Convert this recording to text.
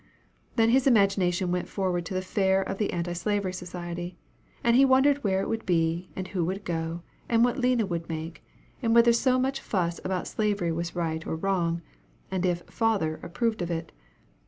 Then his imagination went forward to the fair of the Anti Slavery Society, and he wondered where it would be, and who would go, and what Lina would make, and whether so much fuss about slavery was right or wrong, and if "father" approved of it.